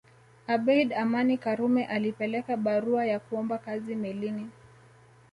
Abeid Amani Karume alipeleka barua ya kuomba kazi melini